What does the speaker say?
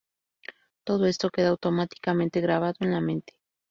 Todo esto queda automáticamente grabado en la mente.